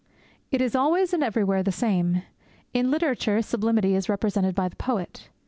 It is always and everywhere the same. In literature sublimity is represented by the poet.